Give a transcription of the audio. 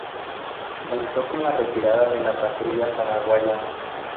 Finalizó con la retirada de la patrulla paraguaya.